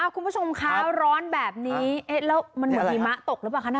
คุณผู้ชมคะร้อนแบบนี้แล้วมันเหมือนหิมะตกหรือเปล่าคะ